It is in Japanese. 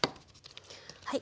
はい。